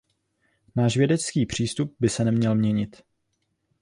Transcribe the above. Náš vědecký přístup by se neměl měnit.